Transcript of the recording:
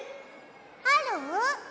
ある？